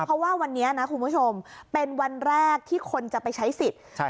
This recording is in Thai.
เพราะว่าวันนี้นะคุณผู้ชมเป็นวันแรกที่คนจะไปใช้สิทธิ์ใช่